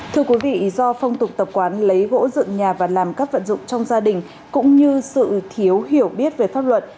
thưa quý vị do phong tục tập quán lấy gỗ dựng nhà và làm các vận dụng trong gia đình cũng như sự thiếu hiểu biết về pháp luật